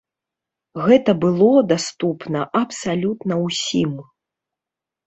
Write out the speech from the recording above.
Гэта было даступна абсалютна ўсім.